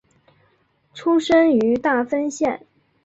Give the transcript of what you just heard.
出身于大分县。